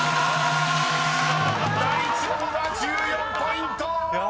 ［第１問は１４ポイント！］